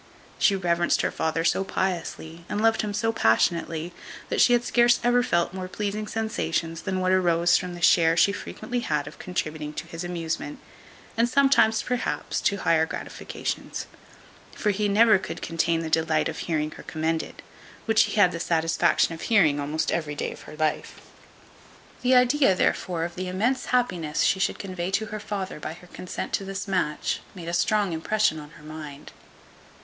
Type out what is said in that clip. She reverenced her father so piously, and loved him so passionately, that she had scarce ever felt more pleasing sensations, than what arose from the share she frequently had of contributing to his amusement, and sometimes, perhaps, to higher gratifications; for he never could contain the delight of hearing her commended, which he had the satisfaction of hearing almost every day of her life. The idea, therefore, of the immense happiness she should convey to her father by her consent to this match, made a strong impression on her mind.